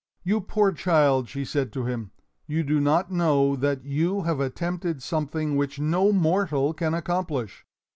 "You poor child!" she said to him, "you do not know that you have attempted something which no mortal can accomplish.